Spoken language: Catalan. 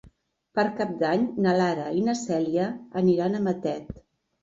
Per Cap d'Any na Lara i na Cèlia aniran a Matet.